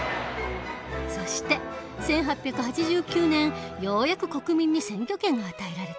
そして１８８９年ようやく国民に選挙権が与えられた。